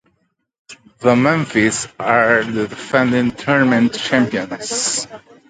The Memphis are the defending tournament champions.